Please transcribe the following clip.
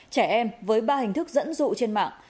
trẻ em với ba hình thức dẫn dụ trên mạng